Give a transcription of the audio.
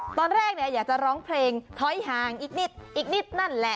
ตอนแรกอยากจะร้องเพลงถอยห่างอีกนิดอีกนิดนั่นแหละ